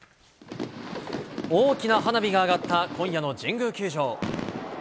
大きな花火が上がった今夜の神宮球場。